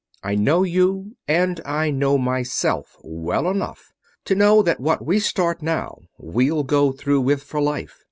I know you and I know myself well enough to know that what we start now we'll go through with for life.